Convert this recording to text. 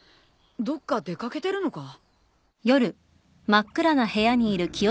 どっか出掛けてるのか？